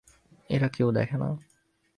এরা কেউ দেখে না?